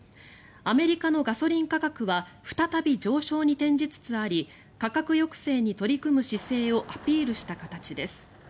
アメリカのガソリン価格は再び上昇に転じつつあり価格抑制に取り組む姿勢をアピールした形です。